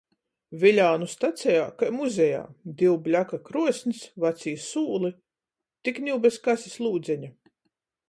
Viļānu stacejā kai muzejā. Div bļaka kruosns, vacī sūli. Tik niu bez kasis lūdzeņa.